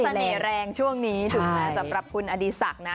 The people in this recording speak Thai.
สนิทแรงช่วงนี้ถึงมาสำหรับคุณอดีศักดิ์นะ